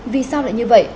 vì sao lại như vậy